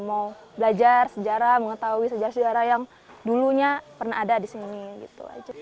mau belajar sejarah mengetahui sejarah sejarah yang dulunya pernah ada di sini gitu aja